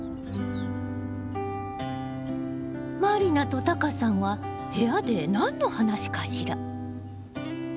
満里奈とタカさんは部屋で何の話かしら？